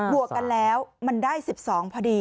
วกกันแล้วมันได้๑๒พอดี